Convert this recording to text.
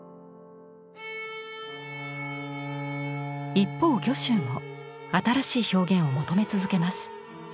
一方御舟も新しい表現を求め続けます。